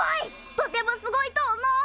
とてもすごいと思う。